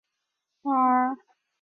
县政府驻普保镇。